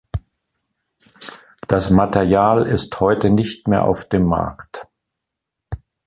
Das Material ist heute nicht mehr auf dem Markt.